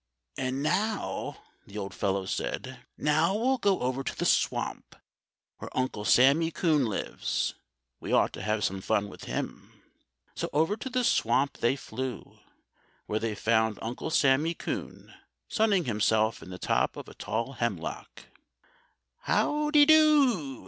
"And now," the old fellow said, "now we'll go over to the swamp, where Uncle Sammy Coon lives. We ought to have some fun with him." So over to the swamp they flew, where they found Uncle Sammy Coon sunning himself in the top of a tall hemlock. "How dy do!"